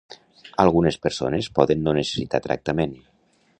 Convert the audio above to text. Algunes persones poden no necessitar tractament.